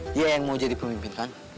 dia yang mau jadi pemimpin kan